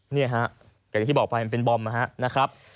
เนี่ยฮะแต่ที่บอกไปมันเป็นบอมนะฮะนะครับ